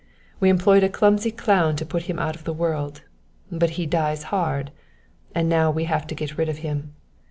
We employed a clumsy clown to put him out of the world; but he dies hard, and now we have got to get rid of him.